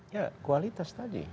ya kualitas tadi